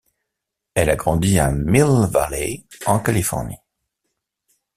Elle a grandi à Mill Valley, en Californie.